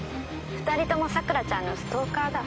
２人ともさくらちゃんのストーカーだ。